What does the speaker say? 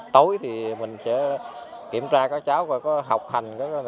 tối thì mình sẽ kiểm tra các cháu và có học hành